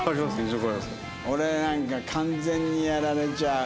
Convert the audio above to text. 俺なんか完全にやられちゃう。